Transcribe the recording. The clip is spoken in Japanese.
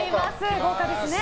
豪華ですね。